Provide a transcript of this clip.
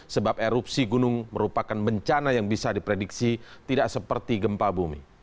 sebab erupsi gunung merupakan bencana yang bisa diprediksi tidak seperti gempa bumi